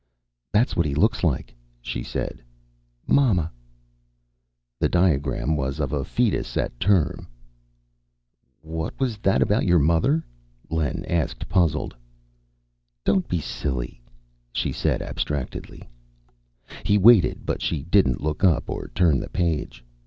"That's what he looks like," she said. "Mama." The diagram was of a fetus at term. "What was that about your mother?" Len asked, puzzled. "Don't be silly," she said abstractedly. He waited, but she didn't look up or turn the page.